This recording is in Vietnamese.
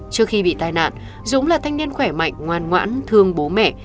trước khi bị tai nạn dũng là thanh niên khỏe mạnh ngoan ngoãn thương bố mẹ